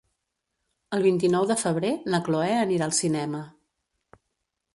El vint-i-nou de febrer na Cloè anirà al cinema.